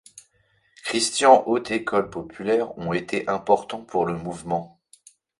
Christian hautes écoles populaires ont été très importants pour le mouvement.